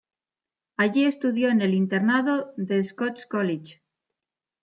Allí estudió en el internado The Scots College.